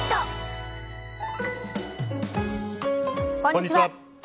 こんにちは。